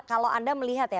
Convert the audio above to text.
kalau anda melihat ya